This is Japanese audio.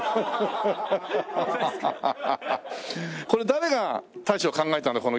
これ誰が大将考えたの？